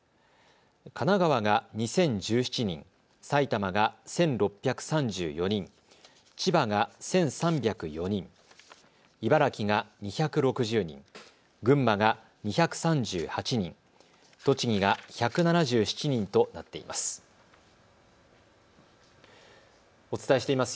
神奈川が２０１７人、埼玉が１６３４人、千葉が１３０４人、茨城が２６０人、群馬が２３８人、栃木が１７７人となっています。